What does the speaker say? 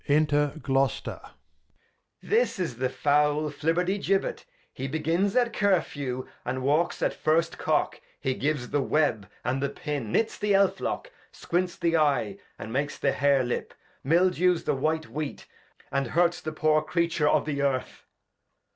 Enter Gloster. Edg. This is the foul Flibertigibet ; he begins at Cur few, and walks at first Cock, he gives the Web, and the Pin ; knits the Elfiock ; squints the Eye, and makes the Hair Lip; mildews the white Wheat, and hurts the poor Creature of the Earth.